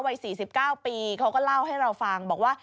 วัย๔๙ปีเขาก็เล่าให้เราฟังบอกว่า